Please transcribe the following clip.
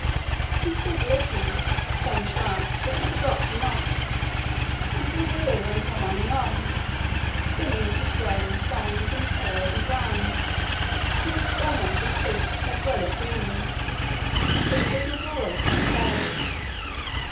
He stood listening, so entranced that he forgot to knock, and the wheel went on and on, spinning in his brain songs and tales and rhymes, till he was almost asleep as well as dreaming, for sleep does not always come first.